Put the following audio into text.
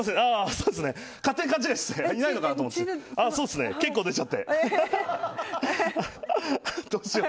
そうですね、結構出ちゃって。